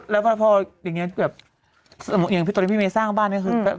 และพอแบบเงี้ยเหมือนอย่างตอนที่พี่เมฆสร้างบ้านเนี่ย